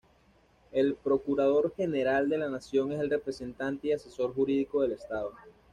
El Procurador General de la Nación es el representante y asesor jurídico del Estado.